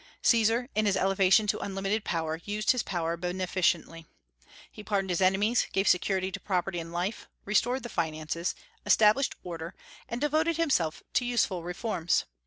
Caesar, in his elevation to unlimited power, used his power beneficently. He pardoned his enemies, gave security to property and life, restored the finances, established order, and devoted himself to useful reforms.